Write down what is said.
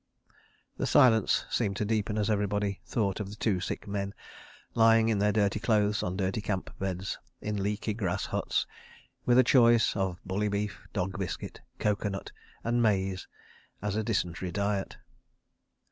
..." The silence seemed to deepen as everybody thought of the two sick men, lying in their dirty clothes, on dirty camp beds, in leaky grass huts, with a choice of bully beef, dog biscuit, coco nut and maize as a dysentery diet.